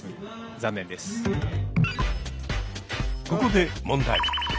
ここで問題。